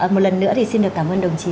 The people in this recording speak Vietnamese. một lần nữa thì xin được cảm ơn đồng chí